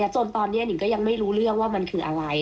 จนตอนนี้หนิงก็ยังไม่รู้เรื่องว่ามันคืออะไร